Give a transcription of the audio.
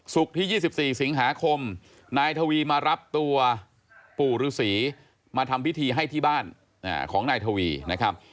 ที่๒๔สิงหาคมนายทวีมารับตัวปู่ฤษีมาทำพิธีให้ที่บ้านของนายทวีนะครับ